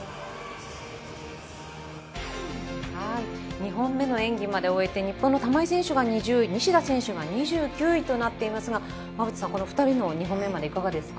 ２本目の演技まで終えて日本の玉井選手が２０位西田選手が２９位となっていますが馬淵さんこの２人の日本メンバーいかがですか。